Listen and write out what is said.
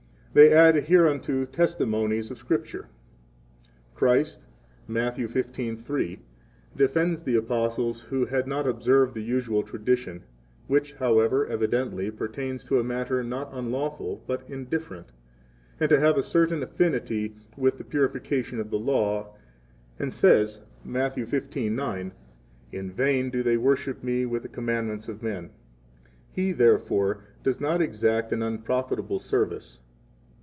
22 They add hereunto testimonies of Scripture. Christ, Matt. 15:3, defends the Apostles who had not observed the usual tradition, which, however, evidently pertains to a matter not unlawful, but indifferent, and to have a certain affinity with the purifications of the Law, and says, Matt. 15:9, In vain do they worship Me with the commandments of men. 23 He, therefore, does not exact an unprofitable service.